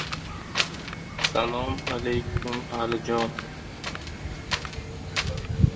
Bolangizga bir qo‘shiqni tanlashini va tish tozalaguniga qadar uni kuylashini taklif qiling.